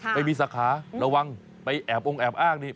ไม่มีสาขาระวังไปแอบองแอบอ้างนี่